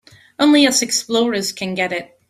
Only us explorers can get it.